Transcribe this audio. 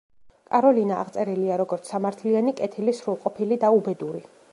კაროლინა აღწერილია როგორც: „სამართლიანი, კეთილი, სრულყოფილი და უბედური“.